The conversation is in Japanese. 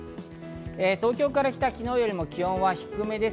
東京から北は、昨日よりも気温が低めです。